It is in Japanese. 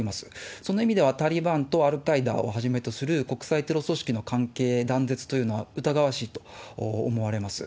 その意味では、タリバンとアルカイダをはじめとする国際テロ組織の関係断絶というのは疑わしいと思われます。